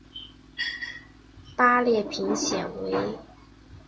八列平藓为平藓科平藓属下的一个种。